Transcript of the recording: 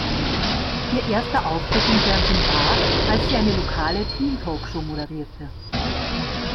Ihr erster Auftritt im Fernsehen war, als sie eine lokale Teen-Talkshow moderierte.